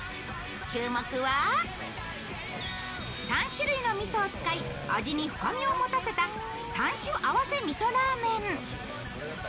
３種類のみそを使い、味に深みを持たせた３種合わせ味噌ラーメン。